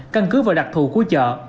căn cứ vào đặc thù của chợ